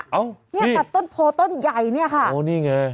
ว้าวนี่โอ้นี่ไงตัดต้นโพต้นใหญ่นี่ค่ะ